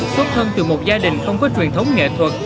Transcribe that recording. xuất thân từ một gia đình không có truyền thống nghệ thuật